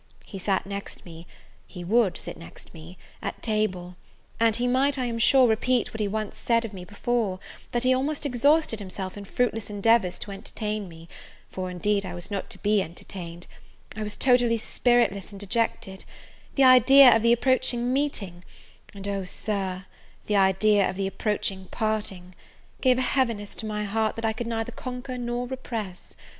He sat next me, he would sit next me, at table; and he might, I am sure, repeat what he once said of me before, that he almost exhausted himself in fruitless endeavours to entertain me; for, indeed, I was not to be entertained: I was totally spiritless and dejected; the idea of the approaching meeting, and Oh, Sir, the idea of the approaching parting, gave a heaviness to my heart that I could neither conquer nor repress.